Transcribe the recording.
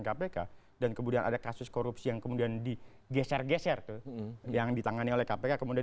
kpk dan kemudian ada kasus korupsi yang kemudian digeser geser ke yang ditangani oleh kpk kemudian